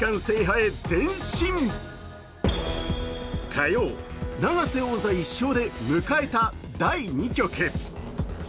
火曜、永瀬王座１勝で迎えた第２局。